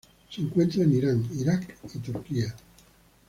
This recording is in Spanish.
Se encuentra en Irán, Irak y Turquía.